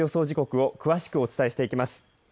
時刻を詳しくお伝えしていきます。